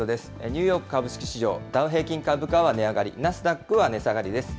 ニューヨーク株式市場ダウ平均株価は値上がり、ナスダックは値下がりです。